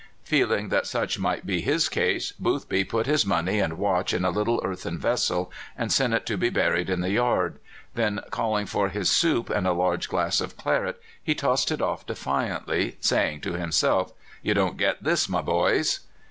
Feeling that such might be his case, Boothby put his money and watch in a little earthen vessel and sent it to be buried in the yard; then calling for his soup and a large glass of claret, he tossed it off defiantly, saying to himself, "You don't get this, my boys!"